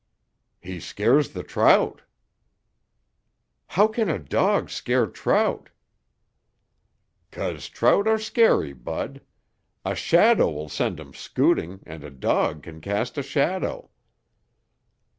"He scares the trout." "How can a dog scare trout?" "'Cause trout are scary, Bud. A shadow'll send 'em scooting and a dog can cast a shadow."